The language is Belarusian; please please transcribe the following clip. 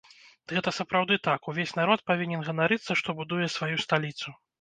Гэта сапраўды так, увесь народ павінен ганарыцца, што будуе сваю сталіцу.